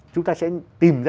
chúng ta sẽ tìm ra